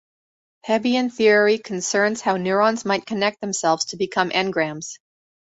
Hebbian theory concerns how neurons might connect themselves to become engrams.